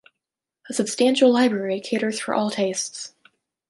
A substantial library caters for all tastes.